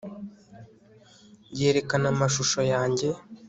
yerekana amashusho yanjye